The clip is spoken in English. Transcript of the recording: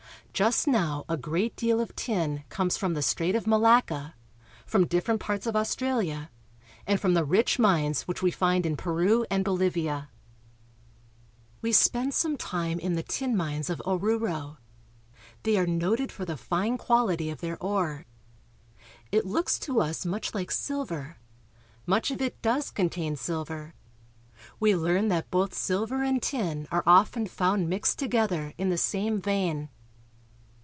Just now a great deal of tin comes from the Strait of Malacca, from different parts of Australia, and from the rich mines which we find in Peru and Bolivia. We spend some time in the tin mines of Oruro. They Breaking up Tin Ore. lOO CHILE. are noted for the fine quality of their ore. It looks to us much like silver. Much of it does contain silver. We learn that both silver and tin are often found mixed to gether in the same vein.